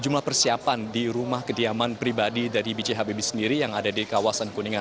jumlah persiapan di rumah kediaman pribadi dari b j habibie sendiri yang ada di kawasan kuningan